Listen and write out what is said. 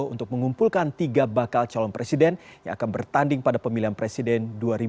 untuk mengumpulkan tiga bakal calon presiden yang akan bertanding pada pemilihan presiden dua ribu sembilan belas